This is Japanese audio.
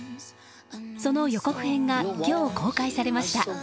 その予告編が今日公開されました。